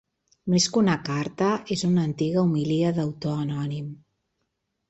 Més que una carta, és una antiga homilia d'autor anònim.